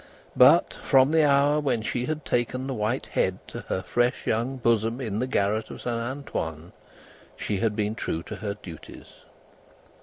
But, from the hour when she had taken the white head to her fresh young bosom in the garret of Saint Antoine, she had been true to her duties.